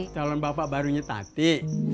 calon bapak barunya tadi